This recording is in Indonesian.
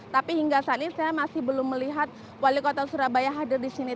tapi hingga saat ini saya masih belum melihat wali kota surabaya hadir di sini